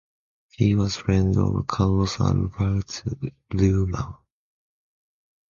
He was friend of Carlos Alberto Leumann.